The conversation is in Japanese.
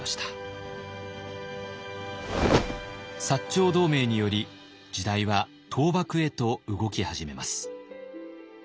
長同盟により時代は倒幕へと動き始めます。